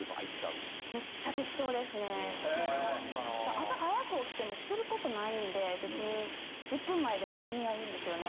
朝早く起きてもすることないんで別に１０分前でも間に合うんですよね。